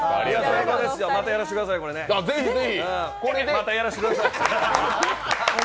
またやらせてください。